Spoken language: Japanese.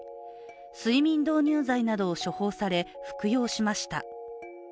睡眠導入剤などを処方され服用しました。